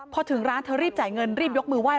พอถึงร้านเธอรีบจ่ายเงินรีบยกมือไห้